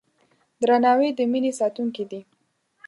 درناوی د مینې ساتونکی دی.